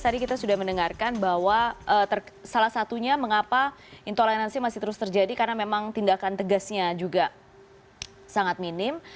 tadi kita sudah mendengarkan bahwa salah satunya mengapa intoleransi masih terus terjadi karena memang tindakan tegasnya juga sangat minim